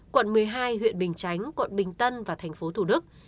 quận một mươi hai huyện bình chánh quận bình tân và thành phố thủ đức